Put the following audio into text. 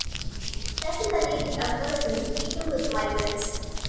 Typically it occurs in people with migraines.